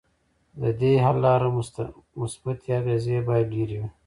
ددې حل لارو مثبتې اغیزې باید ډیرې وي.